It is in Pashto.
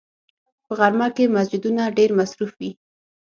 په غرمه کې مسجدونه ډېر مصروف وي